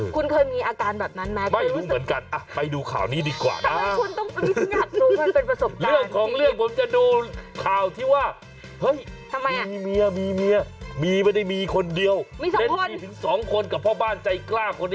คุณเคยมีอาการแบบนั้นไหมเคยรู้สึกว่างัน